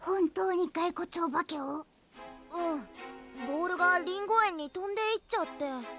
ボールがリンゴえんにとんでいっちゃって。